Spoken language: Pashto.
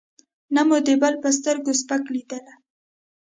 نه مو د بل په سترګو سپک لېدلی.